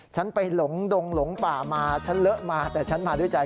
ฉันไปหลงดงหลงป่ามาฉันเลอะมาแต่ฉันมาด้วยใจ